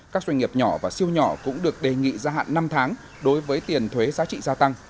các doanh nghiệp nhỏ và siêu nhỏ cũng được đề nghị gia hạn năm tháng đối với tiền thuế giá trị gia tăng